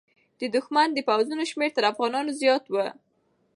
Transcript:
د دښمن د پوځونو شمېر تر افغانانو زیات و.